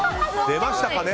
出ましたかね